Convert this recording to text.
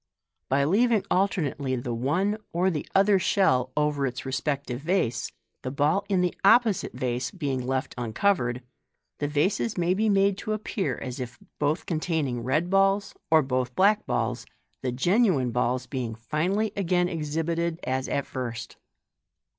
By leaving alternately the one or the other shell over its respective vase, the ball in the opposite vase being left uncoveied, the vases may be made to appear as if both containing red balls or both black balls, the genuine balls beins; finally again exhibited as at first.